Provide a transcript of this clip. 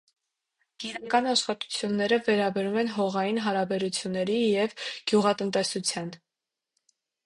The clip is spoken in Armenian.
Գիտական աշխատությունները վերաբերում են հողային հարաբերությունների և գյուղատնտեսության վերարտադրության պրոբլեմներին։